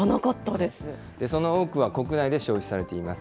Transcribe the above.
その多くは国内で消費されています。